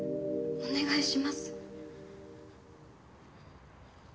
お願いします。